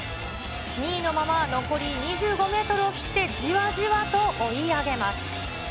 ２位のまま残り２５メートルを切って、じわじわと追い上げます。